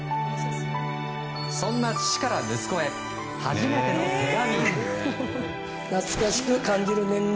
そんな父から息子へ初めての手紙。